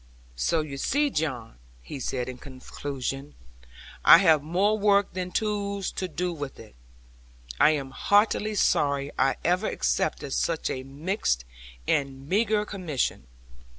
'So you see, John,' he said in conclusion, 'I have more work than tools to do it with. I am heartily sorry I ever accepted such a mixed and meagre commission.